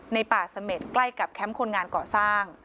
ในป่าเสม็ดใกล้กับแคมป์คนงานก่อสร้าง